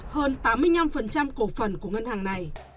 hơn tám mươi năm cổ phần của ngân hàng này